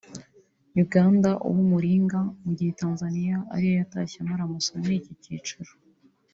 Uganda uw’umuringa mu gihe Tanzania ariyo yatashye amara masa muri iki cyiciro